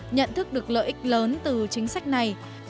nhận thức được lợi ích lớn từ chính sách này